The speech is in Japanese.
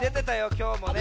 きょうもね。